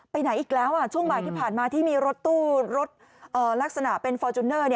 ไหนอีกแล้วช่วงบ่ายที่ผ่านมาที่มีรถตู้รถลักษณะเป็นฟอร์จูเนอร์